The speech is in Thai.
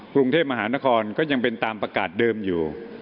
กรุงเทพมหานครก็ยังเป็นตามประกาศเดิมอยู่